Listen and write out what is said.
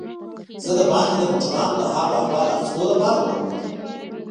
زه دباندې د موټرانو د حال و احوال اخیستو لپاره راووتم.